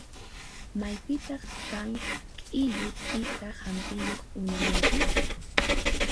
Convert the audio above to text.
Maypitaq kan q'illu t'ika hampiyuq unullapis?